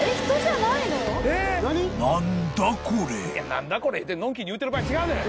「何だコレ！？」ってのんきに言うてる場合違うねん！